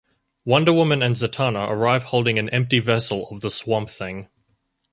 Wonder Woman and Zatanna arrive holding an empty vessel of the Swamp Thing.